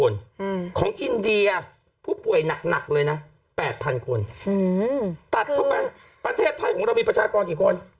อืมของอินเดียผู้ป่วยหนักหนักเลยนะแปดพันคนอืมตัดเข้าไปประเทศไทยของเรามีประชากรกี่คน